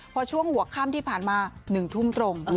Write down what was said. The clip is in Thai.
เพราะช่วงหัวข้ามที่ผ่านมา๑ทุ่มตรง